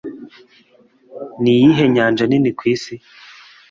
Niyihe nyanja nini ku isi?